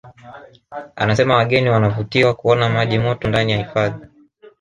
Anasema wageni wanavutiwa kuona maji moto ndani ya hifadhi